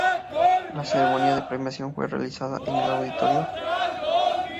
La ceremonia de premiación fue realizada en el Auditorio Dr.